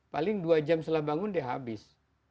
paling dua jam setelah bangun dia habis